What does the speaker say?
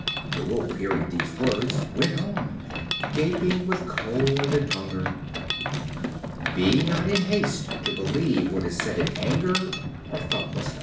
The Wolf, hearing these words, went home, gaping with cold and hunger. Be not in haste to believe what is said in anger or thoughtlessness.